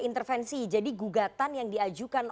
intervensi jadi gugatan yang diajukan